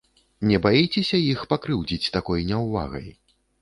Не баіцеся іх пакрыўдзіць такой няўвагай?